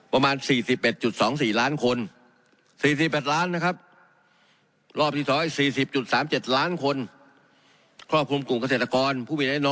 ประมาณ๔๑๒๔ล้านคน๔๘ล้านนะครับ